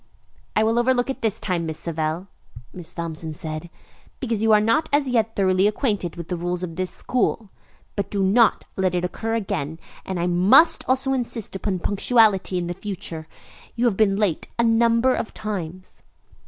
"I will overlook it this time, Miss Savell," Miss Thompson said, "because you are not as yet thoroughly acquainted with the rules of this school, but do not let it occur again. And I must also insist upon punctuality in future. You have been late a number of times."